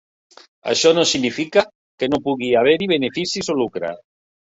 Això no significa que no pugui haver-hi beneficis o lucre.